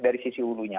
dari sisi hulunya